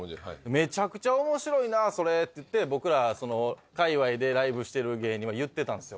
「めちゃくちゃ面白いなそれ」って言って僕ら界隈でライブしてる芸人は言ってたんすよ。